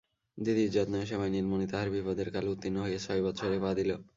দিদির যত্নে ও সেবায় নীলমণি তাহার বিপদের কাল উত্তীর্ণ হইয়া ছয় বৎসরে পা দিল।